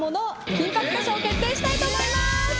金パクト賞を決定したいと思います。